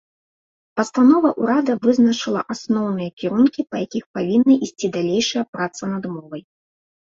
Пастанова ўрада вызначыла асноўныя кірункі, па якіх павінна ісці далейшая праца над мовай.